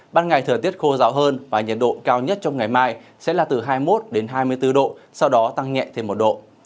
ban ngày thời tiết khô ráo hơn và nhiệt độ cao nhất trong ngày mai sẽ là từ hai mươi một hai mươi bốn độ sau đó tăng nhẹ thêm một độ